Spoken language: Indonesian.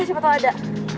siapa tau ada